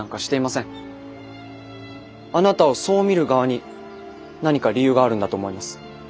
あなたをそう見る側に何か理由があるんだと思います。